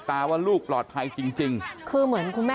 อยากจะเห็นว่าลูกเป็นยังไงอยากจะเห็นว่าลูกเป็นยังไง